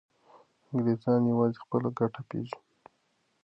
انګریزان یوازې خپله ګټه پیژني.